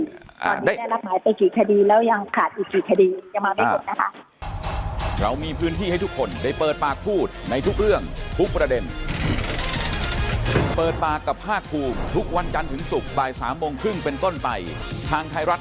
ตอนนี้ได้รับหายไปกี่คดีแล้วยังขาดอีกกี่คดียังมาไม่หมดนะคะ